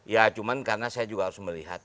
ya cuma karena saya juga harus melihat